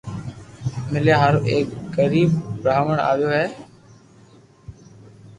مليا ھارو ايڪ غريب براھمڻ آويو ھي